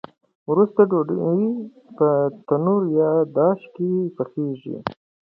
وروسته ډوډۍ په تنور یا داش کې پخیږي.